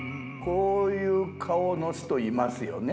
こういう顔の人はいますね。